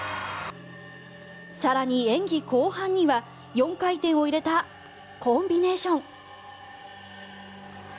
更に、演技後半には４回転を入れたコンビネーション。